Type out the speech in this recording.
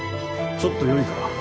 ちょっとよいか。